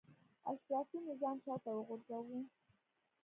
اشرافي نظام شاته وغورځاوه.